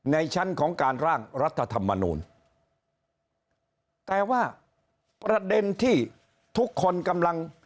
ในชั้นของการร่างรัฐธรรมนูลแต่ว่าประเด็นที่ทุกคนกำลัง